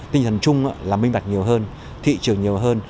tinh thần chung là minh bạch nhiều hơn thị trường nhiều hơn